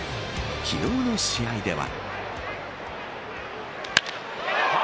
昨日の試合では。